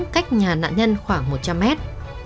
cách nhà nạn nhân khoảng một trăm linh mét